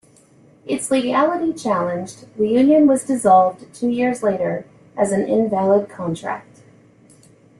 Its legality challenged, the union was dissolved two years later as an invalid contract.